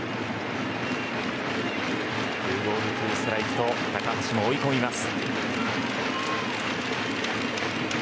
２ボール２ストライクと高橋も追い込みます。